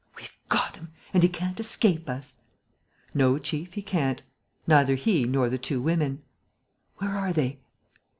"We've got him; and he can't escape us." "No, chief, he can't: neither he nor the two women." "Where are they?"